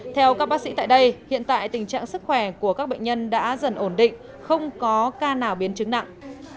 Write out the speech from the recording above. theo các bác sĩ tại đây hiện tại tình trạng sức khỏe của các bệnh nhân đã dần ổn định không có ca nào biến chứng nặng